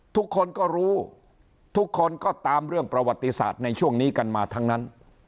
ทุกคนก็รู้ทุกคนก็ตามเรื่องประวัติศาสตร์ในช่วงนี้กันมาทั้งนั้น